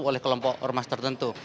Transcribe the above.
oleh kelompok ormas tertentu